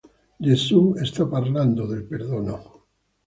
Gesù sta parlando del perdono.